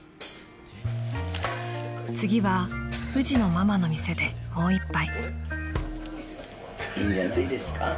［次はふじのママの店でもう一杯］